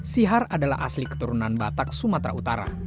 sihar adalah asli keturunan batak sumatera utara